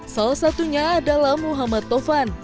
salah satunya adalah muhammad tovan